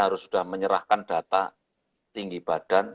harus sudah menyerahkan data tinggi badan